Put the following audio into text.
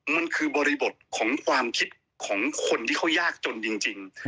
มันคือบริบทของความคิดของคนที่เขายากจนจริง